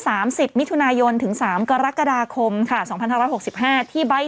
สามสิบมิถุนายนถึงสามกรกฎาคมค่ะสองพันห้าร้อยหกสิบห้าที่ใบ้